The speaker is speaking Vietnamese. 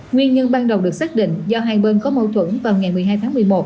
nguyên nhân ban đầu được xác định do hai bên có mâu thuẫn vào ngày một mươi hai tháng một mươi một